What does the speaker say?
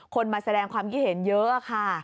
มาแสดงความคิดเห็นเยอะค่ะ